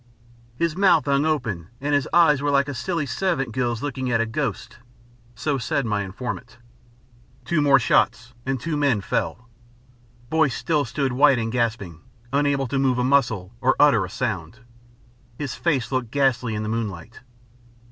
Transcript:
"His mouth hung open and his eyes were like a silly servant girl's looking at a ghost." So said my informant. Two more shots and two men fell. Boyce still stood white and gasping, unable to move a muscle or utter a sound. His face looked ghastly in the moonlight.